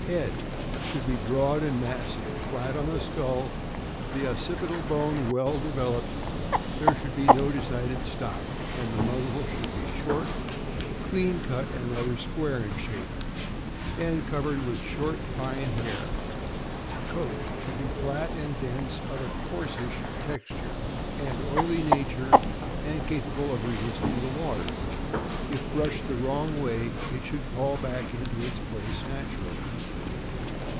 Head. — Should be broad and massive, flat on the skull, the occipital bone well developed; there should be no decided stop, and the muzzle should be short, clean cut, and rather square in shape, and covered with short, fine hair. Goat. — Should be flat and dense, of a coarsish texture THE NEWFOUNDLAND. 593 and oily nature, and capable of resisting the water. If brushed the wrong way, it should fall back into its place naturally.